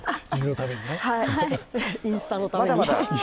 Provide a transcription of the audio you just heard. インスタのために。